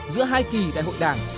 giữa hai kỳ đại hội đảng